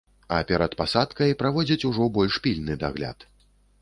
А перад пасадкай праводзяць ужо больш пільны дагляд.